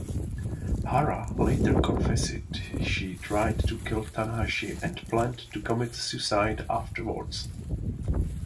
Hara later confessed she tried to kill Tanahashi and planned to commit suicide afterwards.